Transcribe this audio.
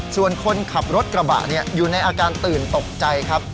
ส่วนคนขับรถกระบะอยู่ในอาการตื่นตกใจครับ